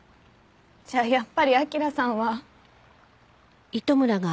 じゃあやっぱり彰さんは。